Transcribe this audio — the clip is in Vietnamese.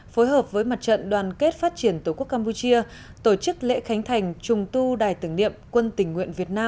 phối hợp với mặt trận đoàn kết phát triển tổ quốc campuchia tổ chức lễ khánh thành trùng tu đài tưởng niệm quân tỉnh nguyện việt nam